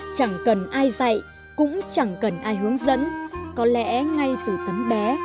chẳng cần ai dạy cũng chẳng cần ai hướng dẫn có lẽ ngay từ tấm bé